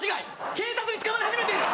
警察に捕まり始めている！